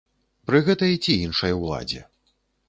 Пры гэтай ці іншай уладзе.